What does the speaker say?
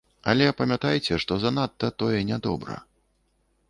Але памятайце, што занадта, тое не добра.